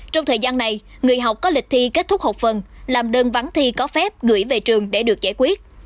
trong thời gian này người học có lịch thi kết thúc học phần làm đơn vắng thi có phép gửi về trường để được giải quyết